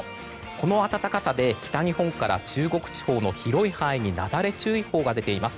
この暖かさで北日本から中国地方の広い範囲になだれ注意報が出ています。